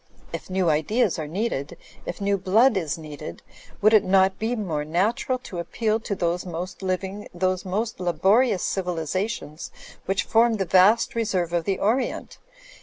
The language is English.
If new ideas are needed, if new blood is needed, would it not be more natural to appeal to those most living, those most laborious civilisations which form the vast reserve of the Orient?